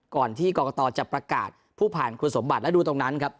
ก่อนที่กรกตจะประกาศผู้ผ่านคุณสมบัติและดูตรงนั้นครับ